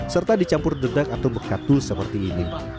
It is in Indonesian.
serta dicampur dedak atau bekatul seperti ini